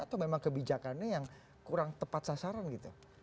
atau memang kebijakannya yang kurang tepat sasaran gitu